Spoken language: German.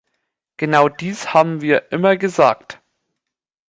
Genau dies haben wir immer gesagt.